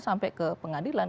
sampai ke pengadilan